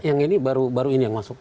yang ini baru ini yang masuk